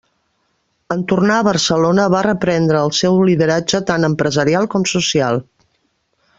En tornar a Barcelona, va reprendre el seu lideratge tant empresarial com social.